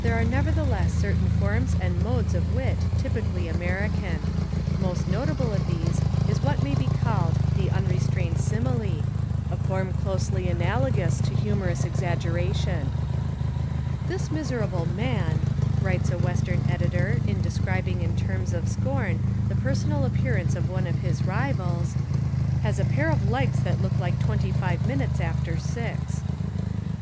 There are nevertheless certain forms and modes of wit typically American. Most notable of these is what may be called the Un restrained Simile, a form closely analogous to humorous exaggeration : "This miserable man," writes a western editor in describing in terms of scorn the personal appearance of one of his rivals, "has a pair of legs that look like twenty five minutes after six."